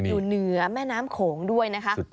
อยู่เหนือแม่น้ำโขงด้วยนะคะ